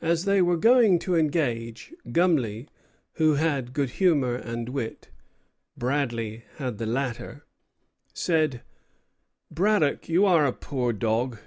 As they were going to engage, Gumley, who had good humor and wit (Braddock had the latter), said: 'Braddock, you are a poor dog!